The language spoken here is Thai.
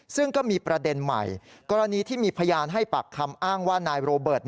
ซึ่งก็มีประเด็นใหม่กรณีที่มีพยานให้ปากคำอ้างว่านายโรเบิร์ต